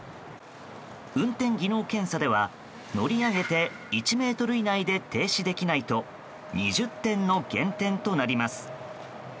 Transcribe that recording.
運転技能検査では、乗り上げて１ｍ以内で停止できないと２０点の減点となります。